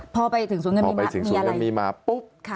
พอไปถึงสวนเงินมีมามีอะไร